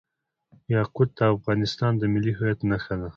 یاقوت د افغانستان د ملي هویت نښه ده.